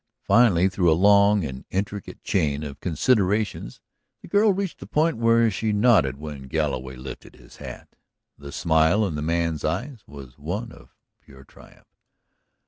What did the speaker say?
Finally, through a long and intricate chain of considerations, the girl reached the point where she nodded when Galloway lifted his hat. The smile in the man's eyes was one of pure triumph.